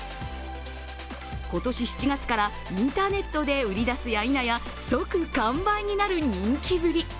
今年７月からインターネットで売り出すやいなや、即完売になる人気ぶり。